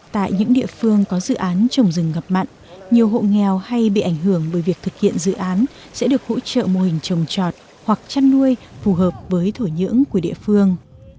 tại những địa phương có dự án trồng rừng ngập mặn nhiều hộ nghèo hay bị ảnh hưởng bởi việc thực hiện dự án sẽ được hỗ trợ mô hình trồng trọt hoặc chăn nuôi phù hợp với thổi nhưỡng của địa phương